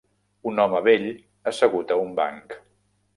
Un home vell assegut a un banc.